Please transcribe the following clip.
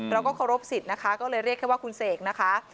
เราก็เคารพสิทธิ์นะคะก็เลยเรียกแค่ว่าคุณเสกนะคะ